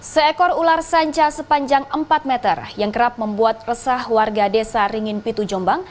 seekor ular sanca sepanjang empat meter yang kerap membuat resah warga desa ringin pitu jombang